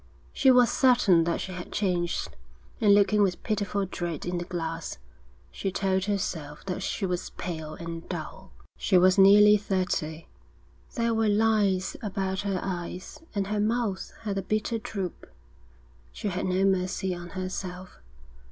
She was certain that she had changed, and looking with pitiful dread in the glass, she told herself that she was pale and dull. She was nearly thirty. There were lines about her eyes, and her mouth had a bitter droop. She had no mercy on herself.